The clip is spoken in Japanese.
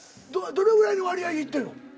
どれぐらいの割合で行ってるの？